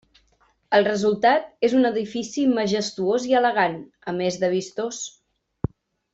El resultat és un edifici majestuós i elegant, a més de vistós.